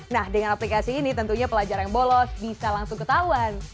nah dengan aplikasi ini tentunya pelajar yang bolos bisa langsung ketahuan